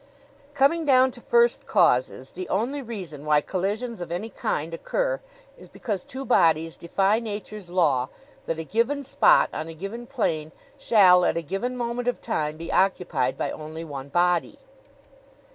Coming down to first causes, the only reason why collisions of any kind occur is because two bodies defy Nature's law that a given spot on a given plane shall at a given moment of time be occupied by only one body.